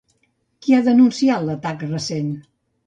Qui ha denunciat l'atac recent?